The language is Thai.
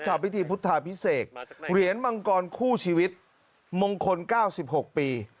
ทำพิธีพุทธาพิเศษเหรียญมังกรคู่ชีวิตมงคล๙๖ปี